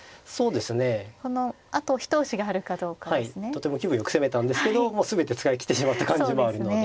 とても気分よく攻めたんですけどもう全て使い切ってしまった感じもあるので。